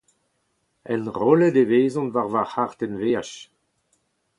Enrollet e vezont war ma c’hartenn-veaj.